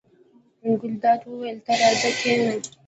ګلداد وویل: ته راځه کېنه.